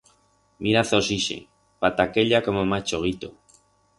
Miraz-os ixe, pataqueya como macho guito.